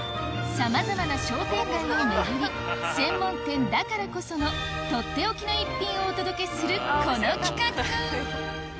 さまざまな商店街を巡り専門店だからこそのとっておきの逸品をお届けするこの企画